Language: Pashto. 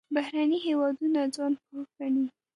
بهرني هېوادونه ځان پوه ګڼي.